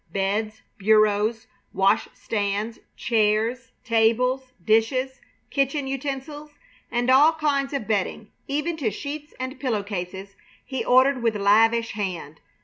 Beds, bureaus, wash stands, chairs, tables, dishes, kitchen utensils, and all kinds of bedding, even to sheets and pillow cases, he ordered with lavish hand.